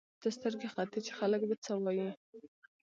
ته سترګې ختې چې خلک به څه وايي.